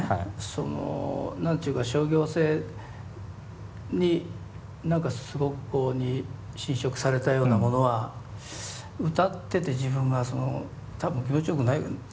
その何て言うか商業性に何かすごく侵食されたようなものは歌ってて自分が多分気持ちよくないと思うんだよね。